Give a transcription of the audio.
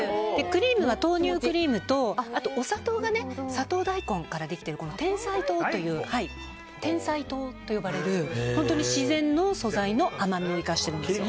クリームは豆乳クリームとあとお砂糖がサトウダイコンからできているてんさい糖という本当に自然の素材の甘みを生かしてるんですよ。